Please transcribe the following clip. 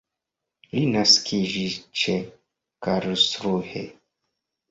Li naskiĝis ĉe Karlsruhe.